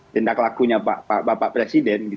tindak lakunya pak presiden